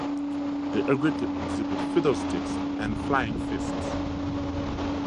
They agreed to exhibit "Fiddlesticks" and "Flying Fists".